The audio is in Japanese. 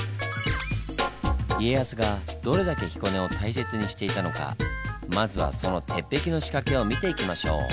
家康がどれだけ彦根を大切にしていたのかまずはその鉄壁の仕掛けを見ていきましょう！